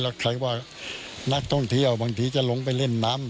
แล้วใครว่านักท่องเที่ยวบางทีจะลงไปเล่นน้ำ